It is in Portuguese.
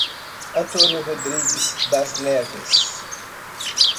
Antônio Rodrigues Das Neves